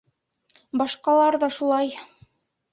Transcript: Башҡалар ҙа шулай!